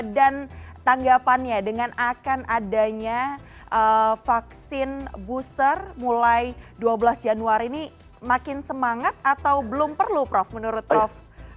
dan tanggapannya dengan akan adanya vaksin booster mulai dua belas januari ini makin semangat atau belum perlu prof menurut prof